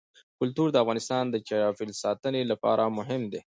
کلتور د افغانستان د چاپیریال ساتنې لپاره مهم دي.